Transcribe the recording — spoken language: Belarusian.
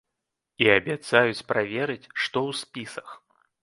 І абяцаюць праверыць, што ў спісах.